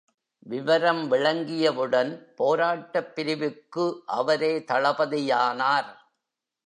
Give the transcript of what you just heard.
விவரம் விளங்கியவுடன் போராட்டப் பிரிவுக்கு அவரே தளபதியானார்.